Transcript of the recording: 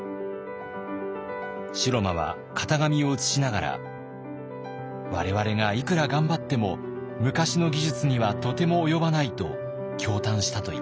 城間は型紙を写しながら「我々がいくら頑張っても昔の技術にはとても及ばない」と驚嘆したといいます。